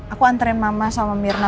aku antren mama sama mirna